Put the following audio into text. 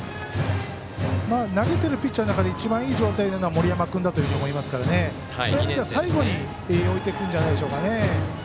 投げているピッチャーの中で一番いい状態なのは森山君だと思いますからそういう意味では、最後に置いていくんじゃないでしょうか。